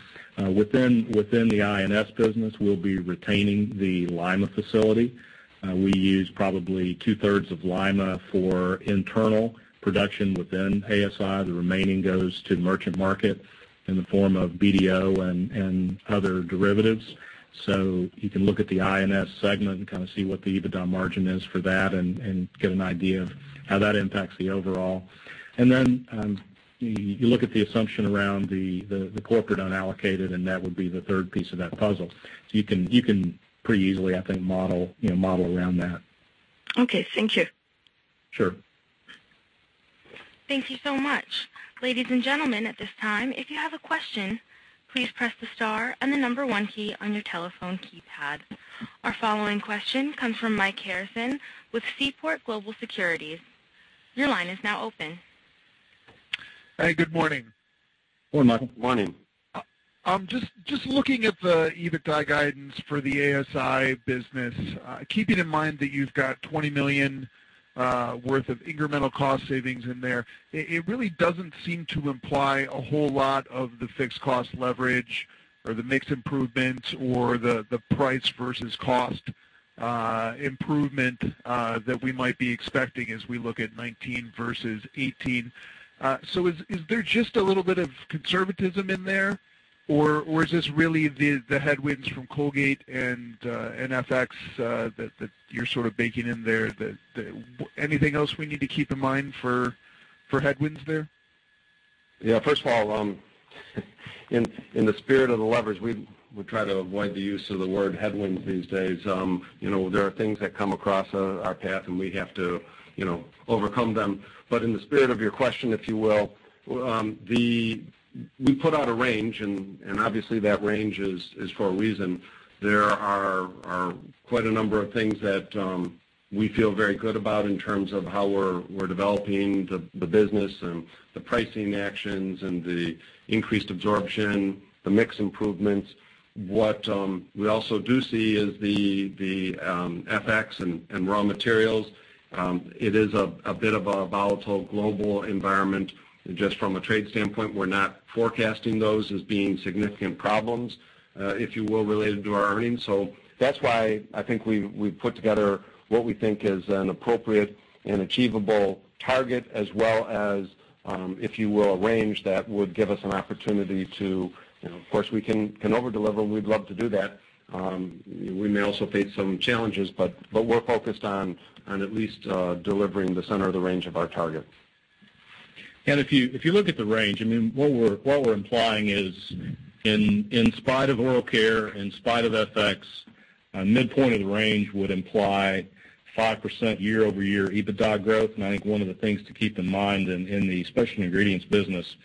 Within the INS business, we'll be retaining the Lima facility. We use probably two-thirds of Lima for internal production within ASI. The remaining goes to merchant market in the form of BDO and other derivatives. You can look at the INS segment and see what the EBITDA margin is for that and get an idea of how that impacts the overall. Then you look at the assumption around the corporate unallocated, and that would be the third piece of that puzzle. You can pretty easily, I think, model around that. Okay. Thank you. Sure. Thank you so much. Ladies and gentlemen, at this time, if you have a question, please press the star and the number one key on your telephone keypad. Our following question comes from Michael Harrison with Seaport Global Securities. Your line is now open. Hey, good morning. Good morning. Morning. Just looking at the EBITDA guidance for the ASI business. Keeping in mind that you've got $20 million worth of incremental cost savings in there, it really doesn't seem to imply a whole lot of the fixed cost leverage or the mix improvements or the price versus cost improvement that we might be expecting as we look at 2019 versus 2018. Is there just a little bit of conservatism in there, or is this really the headwinds from Colgate and FX that you're sort of baking in there? Anything else we need to keep in mind for headwinds there? First of all in the spirit of the leverage, we try to avoid the use of the word headwinds these days. There are things that come across our path, and we have to overcome them. In the spirit of your question, if you will. We put out a range, and obviously that range is for a reason. There are quite a number of things that we feel very good about in terms of how we're developing the business, and the pricing actions, and the increased absorption, the mix improvements. What we also do see is the FX and raw materials. It is a bit of a volatile global environment just from a trade standpoint. We're not forecasting those as being significant problems, if you will, related to our earnings. That's why I think we've put together what we think is an appropriate and achievable target as well as, if you will, a range that would give us an opportunity to. Of course, we can over-deliver. We'd love to do that. We may also face some challenges, but we're focused on at least delivering the center of the range of our target. If you look at the range, what we're implying is in spite of oral care, in spite of FX, midpoint of the range would imply 5% year-over-year EBITDA growth. I think one of the things to keep in mind in the Specialty Ingredients business,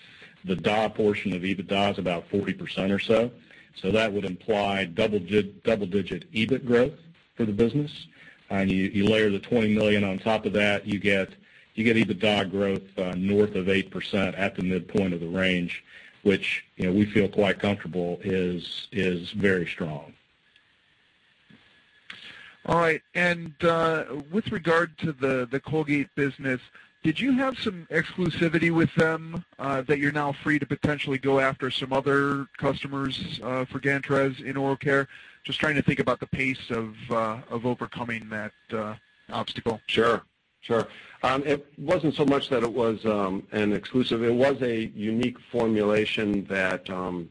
the D&A portion of EBITDA is about 40% or so. That would imply double-digit EBIT growth for the business. You layer the $20 million on top of that, you get EBITDA growth north of 8% at the midpoint of the range, which we feel quite comfortable is very strong. With regard to the Colgate business, did you have some exclusivity with them that you're now free to potentially go after some other customers for Gantrez in oral care? Just trying to think about the pace of overcoming that obstacle. Sure. It wasn't so much that it was an exclusive. It was a unique formulation that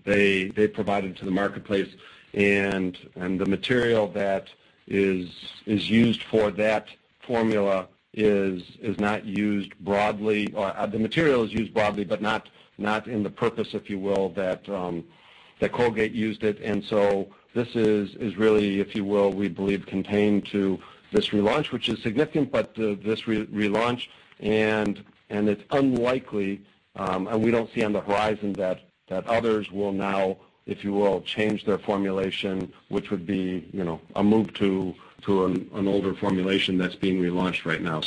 they provided to the marketplace, and the material that is used for that formula is not used broadly. The material is used broadly, but not in the purpose, if you will, that Colgate used it. This is really, if you will, we believe, contained to this relaunch, which is significant. This relaunch, and it's unlikely, and we don't see on the horizon that others will now, if you will, change their formulation, which would be a move to an older formulation that's being relaunched right now.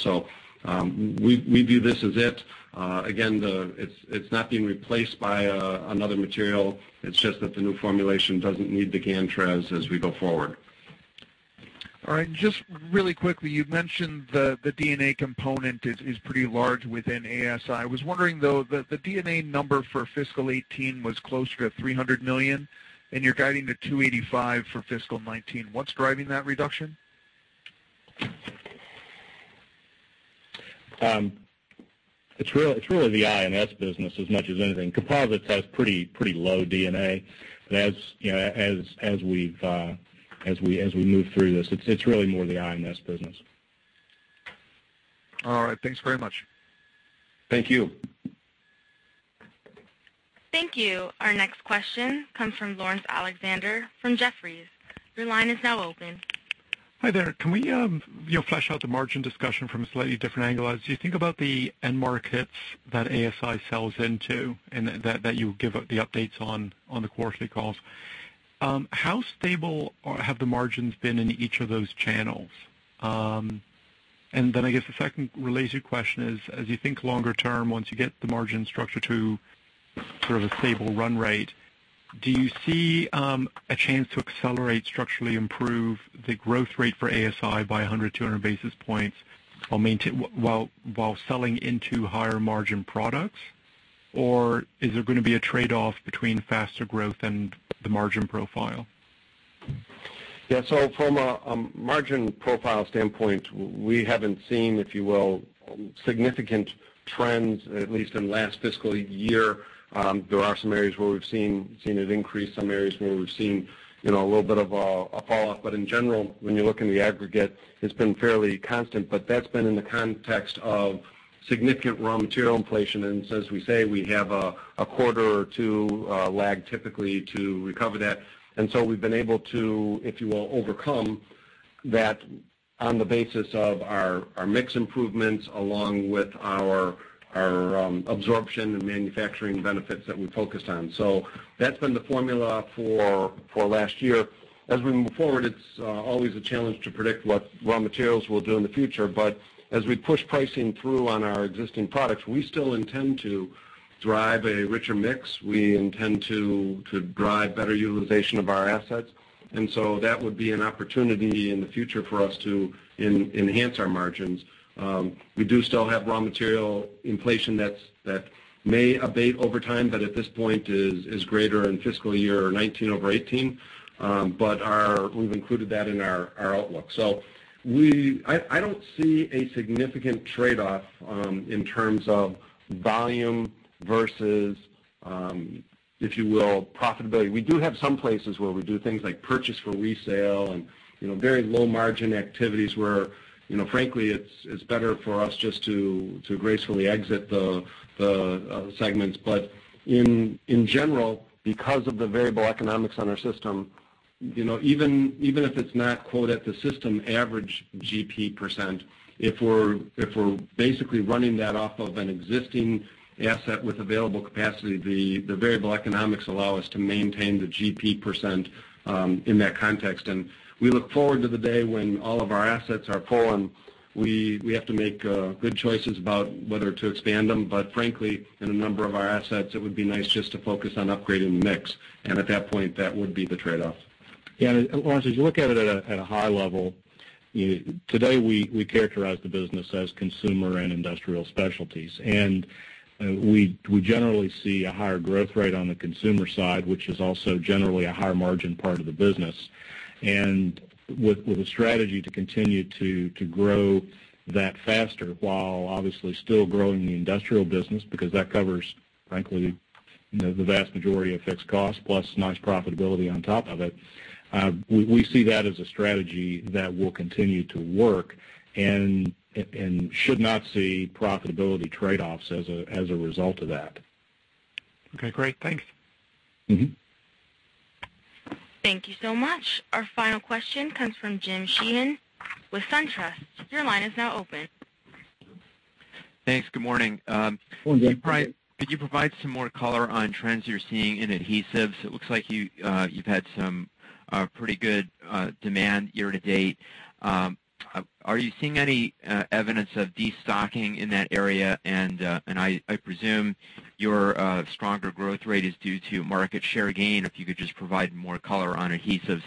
We view this as it. Again, it's not being replaced by another material. It's just that the new formulation doesn't need the Gantrez as we go forward. All right. Just really quickly, you've mentioned the D&A component is pretty large within ASI. I was wondering, though, the D&A number for fiscal 2018 was closer to $300 million, and you're guiding to $285 million for fiscal 2019. What's driving that reduction? It's really the I&S business as much as anything. Composites has pretty low D&A. As we move through this, it's really more the I&S business. All right. Thanks very much. Thank you. Thank you. Our next question comes from Laurence Alexander from Jefferies. Your line is now open. Hi there. Can we flesh out the margin discussion from a slightly different angle? As you think about the end markets that ASI sells into and that you give the updates on the quarterly calls, how stable have the margins been in each of those channels? And then I guess the second related question is, as you think longer term, once you get the margin structure to sort of a stable run rate, do you see a chance to accelerate, structurally improve the growth rate for ASI by 100, 200 basis points while selling into higher margin products? Or is there going to be a trade-off between faster growth and the margin profile? Yeah. From a margin profile standpoint, we haven't seen, if you will, significant trends, at least in last fiscal year. There are some areas where we've seen it increase, some areas where we've seen a little bit of a fall-off. In general, when you look in the aggregate, it's been fairly constant, but that's been in the context of significant raw material inflation. As we say, we have a quarter or two lag typically to recover that. We've been able to, if you will, overcome that on the basis of our mix improvements, along with our absorption and manufacturing benefits that we focused on. That's been the formula for last year. As we move forward, it's always a challenge to predict what raw materials will do in the future. As we push pricing through on our existing products, we still intend to drive a richer mix. We intend to drive better utilization of our assets. That would be an opportunity in the future for us to enhance our margins. We do still have raw material inflation that may abate over time, but at this point is greater in fiscal year 2019 over 2018. We've included that in our outlook. I don't see a significant trade-off in terms of volume versus, if you will, profitability. We do have some places where we do things like purchase for resale and very low margin activities where frankly, it's better for us just to gracefully exit the segments. In general, because of the variable economics on our system- Even if it's not quote at the system average GP percent, if we're basically running that off of an existing asset with available capacity, the variable economics allow us to maintain the GP percent in that context. We look forward to the day when all of our assets are full, and we have to make good choices about whether to expand them. Frankly, in a number of our assets, it would be nice just to focus on upgrading the mix. At that point, that would be the trade-off. Yeah. Laurence, as you look at it at a high level, today, we characterize the business as consumer and industrial specialties, we generally see a higher growth rate on the consumer side, which is also generally a higher margin part of the business. With a strategy to continue to grow that faster while obviously still growing the industrial business because that covers, frankly, the vast majority of fixed cost plus nice profitability on top of it. We see that as a strategy that will continue to work and should not see profitability trade-offs as a result of that. Okay, great. Thanks. Thank you so much. Our final question comes from James Sheehan with SunTrust. Your line is now open. Thanks. Good morning. Good morning. Could you provide some more color on trends you're seeing in adhesives? It looks like you've had some pretty good demand year to date. Are you seeing any evidence of destocking in that area? I presume your stronger growth rate is due to market share gain. If you could just provide more color on adhesives.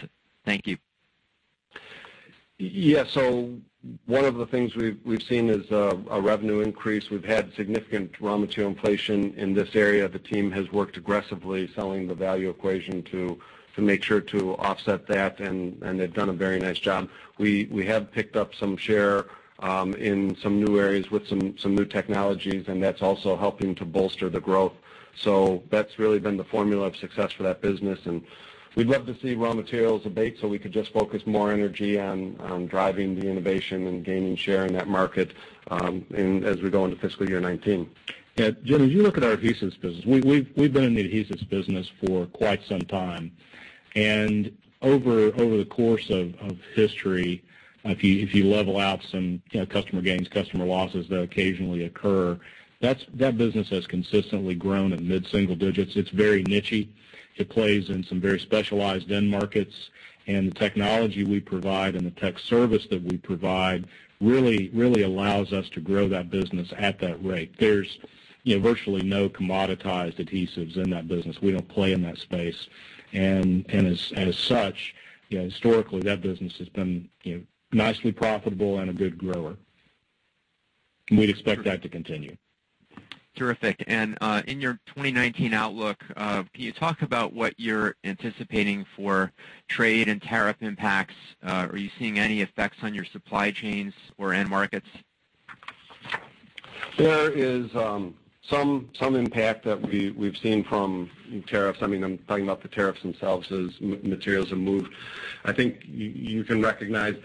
Thank you. Yeah. One of the things we've seen is a revenue increase. We've had significant raw material inflation in this area. The team has worked aggressively selling the value equation to make sure to offset that, and they've done a very nice job. We have picked up some share in some new areas with some new technologies, and that's also helping to bolster the growth. That's really been the formula of success for that business, and we'd love to see raw materials abate so we could just focus more energy on driving the innovation and gaining share in that market as we go into fiscal year 2019. Yeah. James, as you look at our adhesives business, we've been in the adhesives business for quite some time. Over the course of history, if you level out some customer gains, customer losses that occasionally occur, that business has consistently grown at mid-single digits. It's very niche. It plays in some very specialized end markets, and the technology we provide and the tech service that we provide really allows us to grow that business at that rate. There's virtually no commoditized adhesives in that business. We don't play in that space. As such, historically, that business has been nicely profitable and a good grower, and we'd expect that to continue. Terrific. In your 2019 outlook, can you talk about what you're anticipating for trade and tariff impacts? Are you seeing any effects on your supply chains or end markets? There is some impact that we've seen from tariffs. I'm talking about the tariffs themselves as materials have moved. We all recognize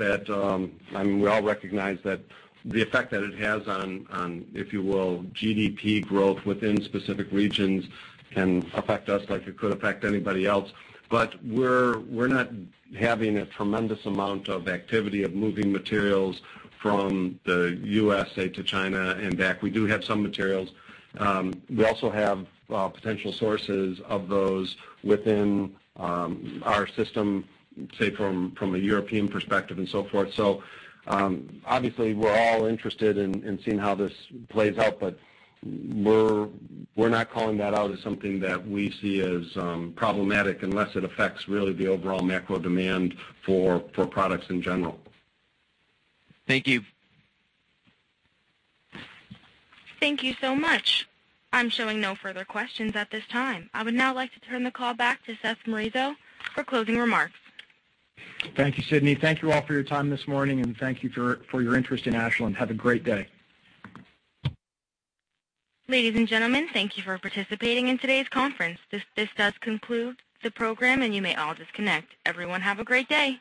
that the effect that it has on, if you will, GDP growth within specific regions can affect us like it could affect anybody else. We're not having a tremendous amount of activity of moving materials from the U.S., say, to China and back. We do have some materials. We also have potential sources of those within our system, say, from a European perspective and so forth. Obviously, we're all interested in seeing how this plays out, but we're not calling that out as something that we see as problematic unless it affects really the overall macro demand for products in general. Thank you. Thank you so much. I'm showing no further questions at this time. I would now like to turn the call back to Seth Mrozek for closing remarks. Thank you, Sydney. Thank you all for your time this morning. Thank you for your interest in Ashland. Have a great day. Ladies and gentlemen, thank you for participating in today's conference. This does conclude the program. You may all disconnect. Everyone, have a great day.